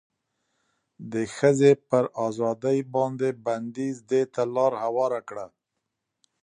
د ښځې پر ازادې باندې بنديز دې ته لار هواره کړه